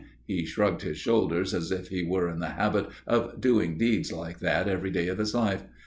He shrugged his shoulders as if he were in the habit of doing deeds like that every day of his life.